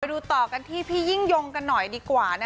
ดูต่อกันที่พี่ยิ่งยงกันหน่อยดีกว่า